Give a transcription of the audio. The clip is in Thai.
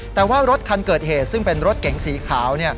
แต่ว่ารถคันเกิดเหตุซึ่งเป็นรถเก๋งสีขาว